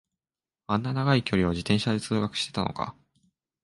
あんな長い距離を自転車で通学してたのか